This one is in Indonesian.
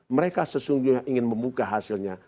mereka sesungguhnya ingin membuka hasilnya